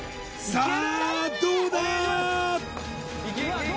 さあどうだ？